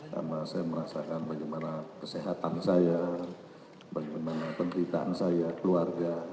karena saya merasakan bagaimana kesehatan saya bagaimana penderitaan saya keluarga